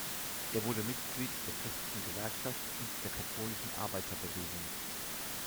Er wurde Mitglied der christlichen Gewerkschaft und der Katholischen Arbeiterbewegung.